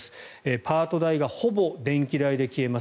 パート代がほぼ電気代で消えます